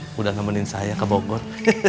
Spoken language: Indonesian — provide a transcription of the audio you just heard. sudah nemenin saya ke bogor